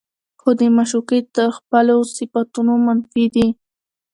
خو د معشوقې تر خپلو صفتونو منفي دي